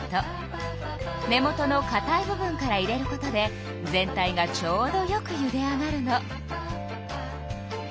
根元のかたい部分から入れることで全体がちょうどよくゆで上がるの。